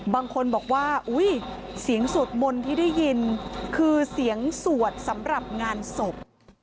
บางคนบอกว่าอุ้ยเสียงสวดมนต์ที่ได้ยินคือเสียงสวดสำหรับงานศพ